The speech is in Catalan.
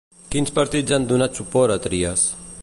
Quins partits han donat suport a Trias?